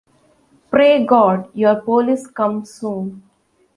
Pray God your police come soon.